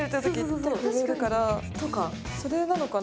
それなのかな？